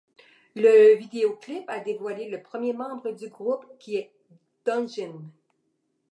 Le vidéoclip a dévoilé le premier membre du groupe, qui est Dojin.